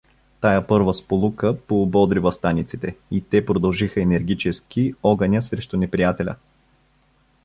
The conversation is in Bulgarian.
Тая първа сполука поободри въстаниците и те продължиха енергически огъня срещу неприятеля.